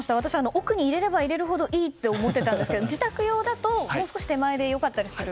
奥に入れれば入れるほどいいと思っていたんですけど自宅用だともうちょっと手前でよかったりする。